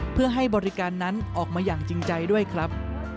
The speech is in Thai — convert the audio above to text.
เพื่อให้บริการนั้นออกมาอย่างจริงใจด้วยครับ